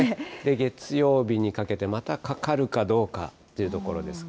月曜日にかけて、またかかるどうかというところですね。